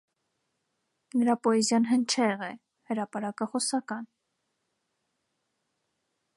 Նրա պոեզիան հնչեղ է, հրապարակախոսական։